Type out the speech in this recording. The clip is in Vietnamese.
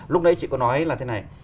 lúc đấy chị có nói là thế này